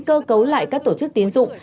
cơ cấu lại các tổ chức tín dụng